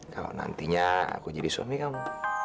kalau nantinya aku jadi suami kamu